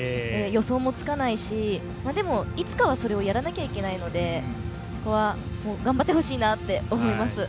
予想もつかないしでも、いつかはそれをやらなきゃいけないのでここは頑張ってほしいなって思います。